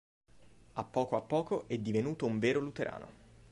A poco a poco, è divenuto un vero luterano.